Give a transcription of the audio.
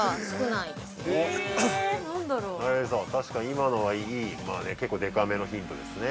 ◆今のはいい、結構でかめのヒントですね。